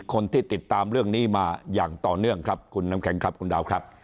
คนที่ติดตามเรื่องนี้มาอย่างต่อเนื่องคุณน้ำแค่งคุณดาว